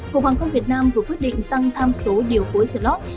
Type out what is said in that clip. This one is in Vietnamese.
cục hàng không việt nam vừa quyết định tăng tham số điều phối slot